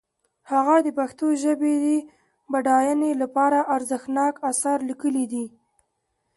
هغه د پښتو ژبې د بډاینې لپاره ارزښتناک آثار لیکلي دي.